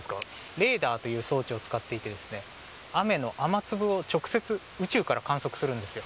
レーダーという装置を使っていてですね、雨の雨粒を直接宇宙から観測するんですよ。